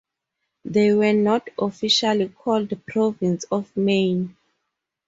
They were not officially called Province of Maine.